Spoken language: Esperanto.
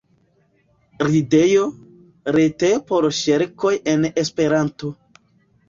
Ridejo, retejo por ŝercoj en Esperanto.